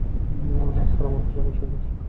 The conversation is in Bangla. না স্যার আমার কথা শুনুন।